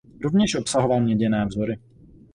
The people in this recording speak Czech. Rovněž obsahoval měděné vzory.